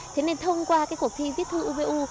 thế nên thông qua cuộc thi viết thư upu